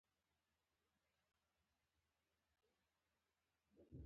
دا شمېر په تدریج سره اته ویشت زرو ته ورسېد